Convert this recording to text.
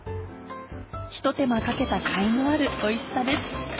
ひと手間かけたかいのあるおいしさです。